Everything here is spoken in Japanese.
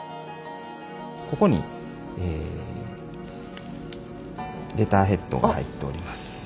ここにえレターヘッドが入っております。